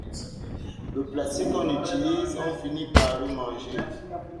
Le plastique qu'on utilise, on finit par le manger.